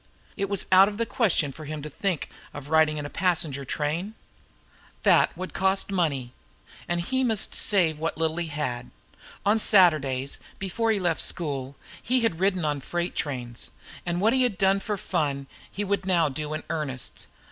It was out of the question for him to think of riding in a passenger train. That cost money; and he must save what little he had. On Saturdays, before he left school, he had ridden on freight trains; and what he had done for fun he would now do in earnest.